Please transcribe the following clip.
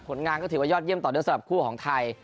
งานก็ถือว่ายอดเยี่ยมต่อด้วยสำหรับคู่ของไทย